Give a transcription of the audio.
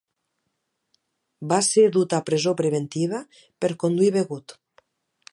Va ser dut a presó preventiva per conduir begut.